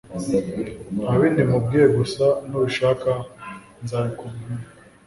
Ntabindi nkubwiye gusa nubishaka nzabikubwira